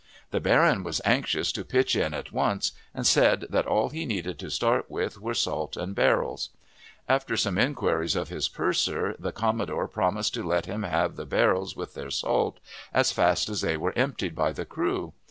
The baron was anxious to pitch in at once, and said that all he needed to start with were salt and barrels. After some inquiries of his purser, the commodore promised to let him have the barrels with their salt, as fast as they were emptied by the crew.